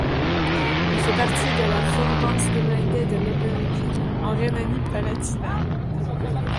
Il fait partie de la Verbandsgemeinde de l'Obere Kyll, en Rhénanie-Palatinat.